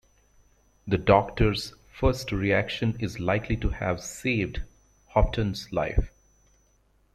The doctor's fast reaction is likely to have saved Hoftun's life.